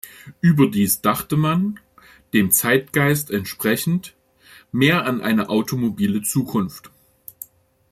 Überdies dachte man, dem Zeitgeist entsprechend, mehr an eine automobile Zukunft.